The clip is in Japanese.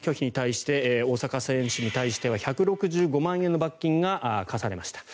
今回、会見拒否に対して大坂選手に対しては１６５万円の罰金が科されました。